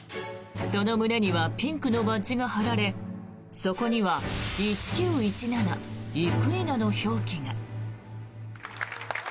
その胸にはピンクのバッジが貼られそこには「１９１７」「イクイナ」の表記が。